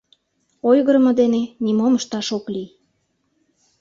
Ойгырымо дене нимом ышташ ок лий.